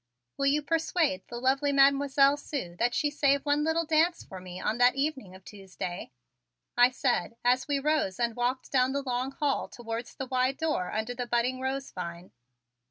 Will you persuade the lovely Mademoiselle Sue that she save one little dance for me on that evening of Tuesday?" I said as we rose and walked down the long hall towards the wide door under the budding rose vine.